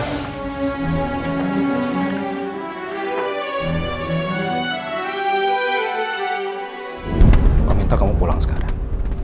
bapak minta kamu pulang sekarang